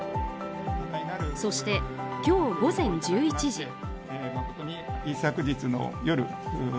そして、今日午前１１時。